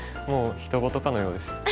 もうひと事かのようです。